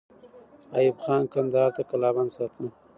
ایوب خان کندهار قلابند ساته.